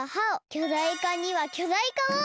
きょだいかにはきょだいかを！